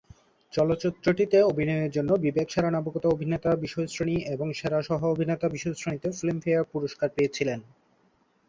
চলচ্চিত্রটিতে অভিনয়ের জন্য বিবেক সেরা নবাগত অভিনেতা বিষয়শ্রেণী এবং সেরা সহ-অভিনেতা বিষয়শ্রেণীতে ফিল্মফেয়ার পুরস্কার পেয়েছিলেন।